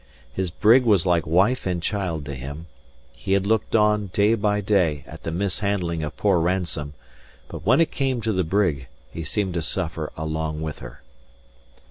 His brig was like wife and child to him; he had looked on, day by day, at the mishandling of poor Ransome; but when it came to the brig, he seemed to suffer along with her.